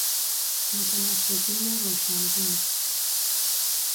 متنفذین روشن بین